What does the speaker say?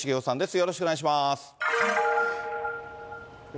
よろしくお願いします。